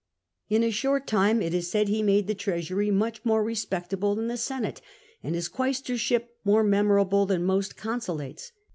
In a short time, it is said, he made the treasury much more respectable than the Senate, and his quaestorship more memorable than most consulates.